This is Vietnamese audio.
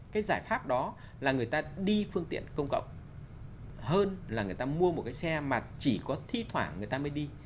cái giải pháp đó là người ta đi phương tiện công cộng hơn là người ta mua một cái xe mà chỉ có thi thoảng người ta mới đi